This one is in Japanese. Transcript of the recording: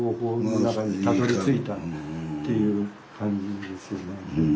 っていう感じですよね。